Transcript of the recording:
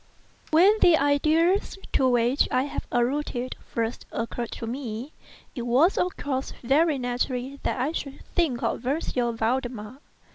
When the ideas to which I have alluded first occurred to me, it was of course very natural that I should think of M. Valdemar.